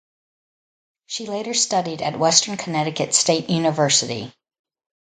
She later studied at Western Connecticut State University.